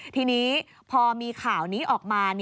ทีนี้พอมีข่าวนี้ออกมา